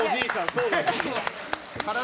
そうです。